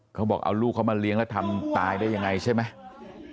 เขาบอกเอาลูกเขามาเลี้ยงแล้วทำตายได้ยังไงใช่ไหม